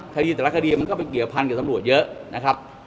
คดีแต่ละคดีมันก็ไปเกี่ยวพันกับตำรวจเยอะนะครับ